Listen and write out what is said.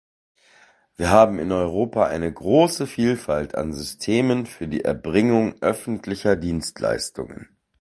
Wir haben in Europa eine große Vielfalt an Systemen für die Erbringung öffentlicher Dienstleistungen.